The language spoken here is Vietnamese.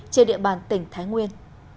trên địa bàn tỉnh thái nguyên